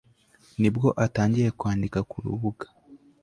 ni bwo atangiye kwandika ku rubuga